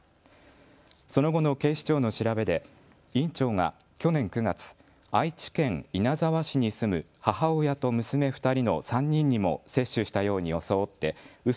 その後の警視庁の調べで院長が去年９月、愛知県稲沢市に住む母親と娘２人の３人にも接種したように装ってう